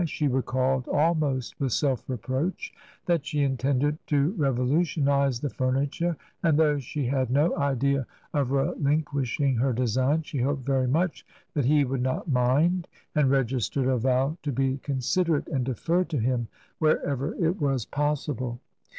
She recalled almost with self reproach that she intended to revolu tionize the furniture ; and though she had no idea of relinquishing her design, she hoped very much that he would not mind, and registered a vow to be considerate and defer to him wherever it was possible.